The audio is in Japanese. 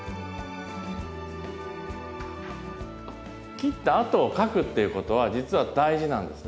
切ったあとを描くっていうことは実は大事なんですね。